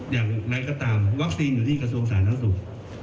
อย่างไรก็ตามวัคซีนอยู่ที่กระทรวงสาธารณสุข